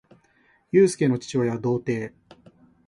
ゆうすけの父親は童貞